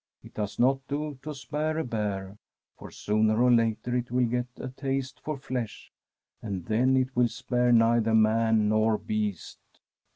It does not do to spare a bear, for sooner or later it will get a taste for flesh, and then it will spare neither man nor beast.